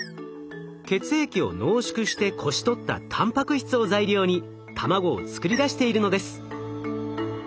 血液を濃縮してこし取ったたんぱく質を材料に卵を作り出しているのです。